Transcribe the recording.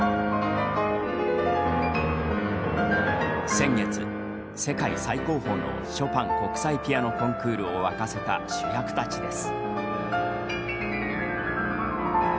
先月、世界最高峰のショパン国際ピアノコンクールを沸かせた主役たちです。